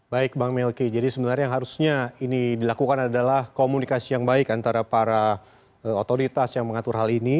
baik bang melki jadi sebenarnya yang harusnya ini dilakukan adalah komunikasi yang baik antara para otoritas yang mengatur hal ini